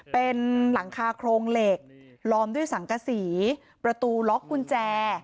เป็นหลังคาโครงเหล็กล้อมด้วยสังกษีประตูล็อกกุญแจ